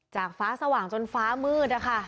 จากฟ้าสว่างจนฟ้ามืดค่ะ